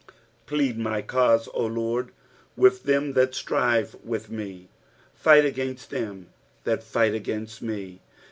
PLEAD my cause, O LORD, with them that strive with me : fight against them that fight against me.